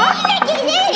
aku batalin semua imot abie